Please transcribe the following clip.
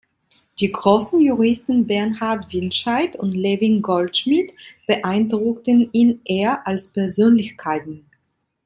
Die großen Juristen "Bernhard Windscheid" und "Levin Goldschmidt" beeindruckten ihn eher als Persönlichkeiten.